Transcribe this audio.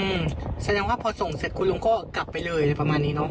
อืมแสดงว่าพอส่งเสร็จคุณลุงก็กลับไปเลยอะไรประมาณนี้เนอะ